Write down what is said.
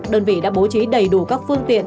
đơn vị đã bố trí đầy đủ các phương tiện